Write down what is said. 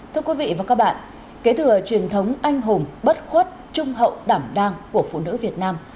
thưa quý vị và các bạn kể từ truyền thống anh hùng bất khuất trung hậu đảm đang của phụ nữ việt nam